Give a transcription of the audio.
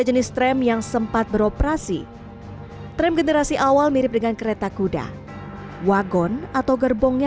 jenis tram yang sempat beroperasi tram generasi awal mirip dengan kereta kuda wagon atau gerbongnya